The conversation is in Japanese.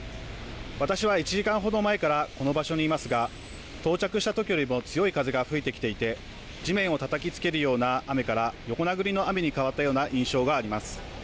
私は１時間ほど前からこの場所にいますが到着したときよりも強い風が吹いてきていて地面をたたきつけるような雨から横殴りの雨に変わったような印象があります。